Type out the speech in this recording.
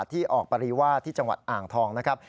ที่ออกปริวาสที่จังหวัดอ่างทองนะครับ